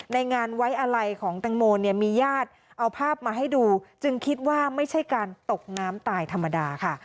ในงานไว้อะไรของแตงโมเนี่ยมีญาติเอาภาพมาให้ดูจึงคิดว่าไม่ใช่การตกน้ำตายธรรมดาค่ะ